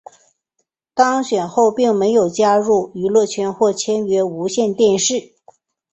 当选后并没有加入娱乐圈或签约无线电视。